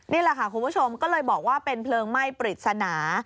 นี่แหละค่ะคุณผู้ชมก็เลยบอกว่าเป็นเพลิงไหม้ปริศนา